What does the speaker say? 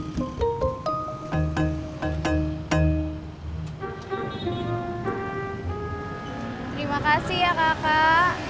terima kasih ya kakak